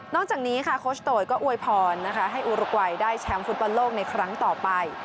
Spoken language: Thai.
จากนี้ค่ะโคชโตยก็อวยพรนะคะให้อุรกวัยได้แชมป์ฟุตบอลโลกในครั้งต่อไป